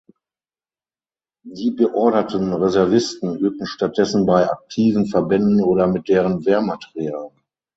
Die beorderten Reservisten übten stattdessen bei aktiven Verbänden oder mit deren Wehrmaterial.